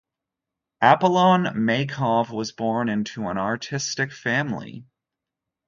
Apollon Maykov was born into an artistic family.